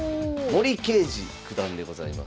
森二九段でございます。